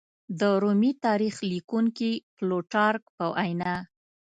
د رومي تاریخ لیکونکي پلوټارک په وینا